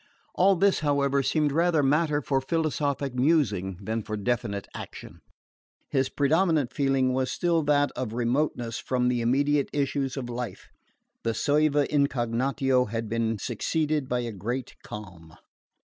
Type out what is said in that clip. All this, however, seemed rather matter for philosophic musing than for definite action. His predominant feeling was still that of remoteness from the immediate issues of life: the soeva indignatio had been succeeded by a great calm.